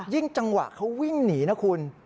จังหวะเขาวิ่งหนีนะคุณ